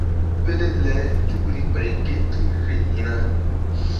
Pele le nzukri ɓay gi ke fe hi̧na.